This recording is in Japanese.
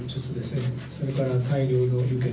それから大量の輸血